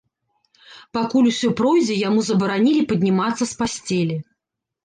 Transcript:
Пакуль усё пройдзе, яму забаранілі паднімацца з пасцелі.